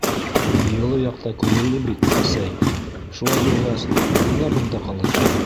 — Йылы яҡта күңелле бит, әсәй, шулай булғас, ниңә бында ҡалырға?